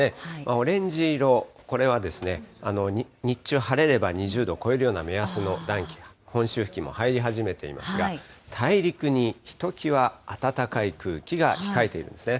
オレンジ色、これはですね、日中晴れれば２０度を超えるような目安の暖気、本州付近も入り始めていますが、大陸にひときわ暖かい空気が控えているんですね。